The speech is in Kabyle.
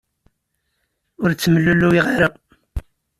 Ur ttemlelluyeɣ ara.